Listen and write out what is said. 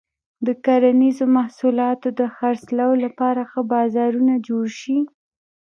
د کرنیزو محصولاتو د خرڅلاو لپاره ښه بازارونه جوړ شي.